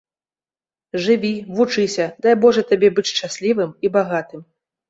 Жыві, вучыся, дай божа табе быць шчаслівым і багатым.